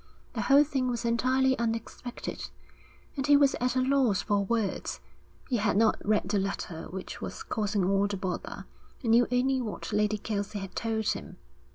The whole thing was entirely unexpected, and he was at a loss for words. He had not read the letter which was causing all the bother, and knew only what Lady Kelsey had told him.